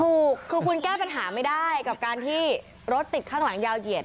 ถูกคือคุณแก้ปัญหาไม่ได้กับการที่รถติดข้างหลังยาวเหยียด